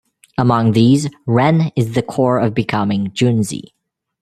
Among these, "ren" is the core of becoming "junzi".